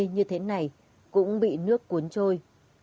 như thế này cũng bị nước cuốn trôi